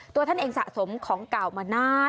ตัวท่านเองสะสมของเก่ามานาน